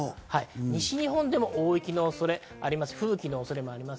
西日本でも大雪の恐れ、吹雪の恐れもあります。